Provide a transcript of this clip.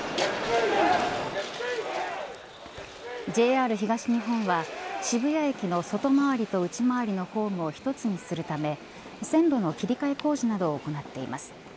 ＪＲ東日本は渋谷駅の外回りと内回りのホームを一つにするため線路の切り替え工事などを行っています。